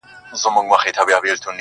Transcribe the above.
راسه له ساحله د نهنګ خبري نه کوو!